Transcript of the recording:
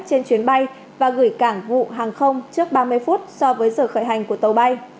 trên chuyến bay và gửi cảng vụ hàng không trước ba mươi phút so với giờ khởi hành của tàu bay